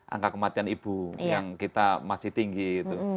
angka kematian ibu yang kita masih tinggi itu